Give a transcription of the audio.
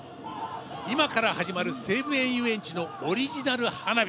今から始まる西武園ゆうえんちのオリジナル花火。